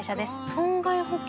損害保険？